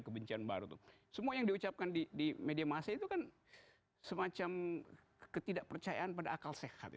kebencian baru tuh semua yang diucapkan di media masa itu kan semacam ketidakpercayaan pada akal sehat